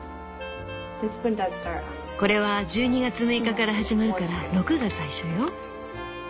これは１２月６日から始まるから「６」が最初よ。